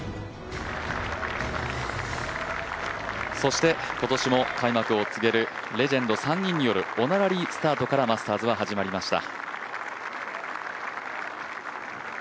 そして今年も開幕を告げるレジェンド３人によるオナラリースタートからマスターズは始まりました。